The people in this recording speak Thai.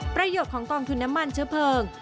ประโยชน์ของกองทุนน้ำมันเชื้อเพลิง